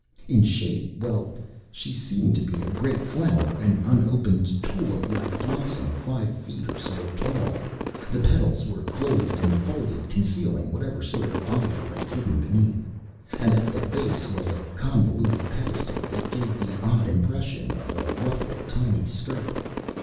In shape well, she seemed to be a great flower, an unopened tulip like blossom five feet or so tall. The petals were closely enfolded, concealing whatever sort of body lay hidden beneath, and at the base was a convoluted pedestal that gave the odd impression of a ruffled, tiny skirt.